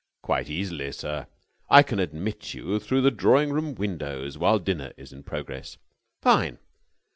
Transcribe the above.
"Quite easily, sir. I can admit you through the drawing room windows while dinner is in progress." "Fine!"